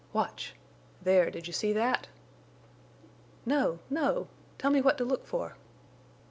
"Watch.... There, did you see that?" "No, no. Tell me what to look for?"